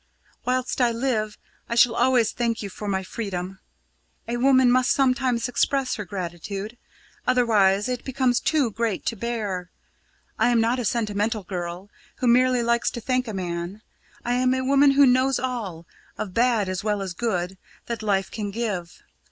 Whilst I live, I shall always thank you for my freedom. A woman must sometimes express her gratitude; otherwise it becomes too great to bear. I am not a sentimental girl, who merely likes to thank a man; I am a woman who knows all, of bad as well as good, that life can give.